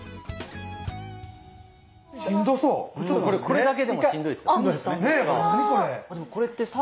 これだけでもしんどいですよ。